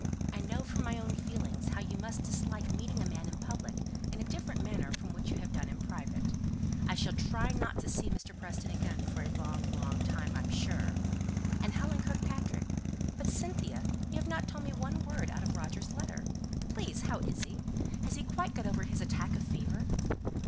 I know from my own feelings how you must dislike meeting a man in public in a different manner from what you have done in private. I shall try not to see Mr. Preston again for a long, long time, I'm sure. But, Cynthia, you haven't told me one word out of Roger's letter. Please, how is he? Has he quite got over his attack of fever?"